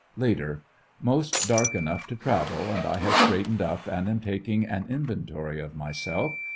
Later — Most dark enough to travel and I have straightened up and am taking an inventory of myself.